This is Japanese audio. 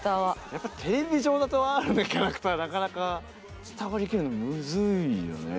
やっぱテレビ上だとＲのキャラクターなかなか伝わりきるのむずいよね。